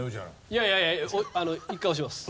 いやいやいや１回押してます。